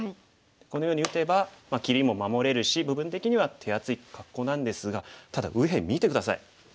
このように打てば切りも守れるし部分的には手厚い格好なんですがただ右辺見て下さい。